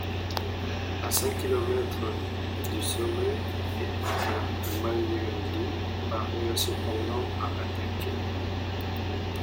À cinq kilomètres du sommet, Erica Magnaldi parvient cependant à attaquer.